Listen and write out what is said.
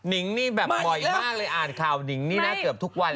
นิงนี่แบบบ่อยมากเลยอ่านข่าวหนิงนี่นะเกือบทุกวัน